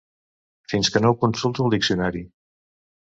Fins que no ho consulto al diccionari.